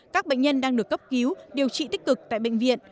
các bệnh nhân đang được cấp cứu điều trị tích cực tại bệnh viện